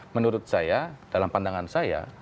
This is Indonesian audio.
menurut saya dalam pandangan saya